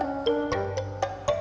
aku bingung harus berubah